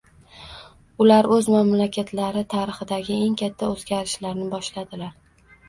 Ular o'z mamlakatlari tarixidagi eng katta o'zgarishlarni boshladilar